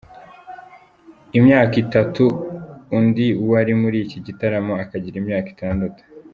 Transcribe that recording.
imyaka itatu, undi wari muri iki gitaramo akagira imyaka itandatu.